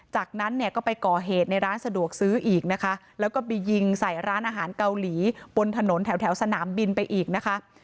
จากนั้นเนี่ยก็ไปก่อเหตุในร้านสะดวกซื้ออีกนะคะแล้วก็ไปยิงใส่ร้านอาหารเกาหลีบนถนนแถวสนามบินไปอีกนะคะ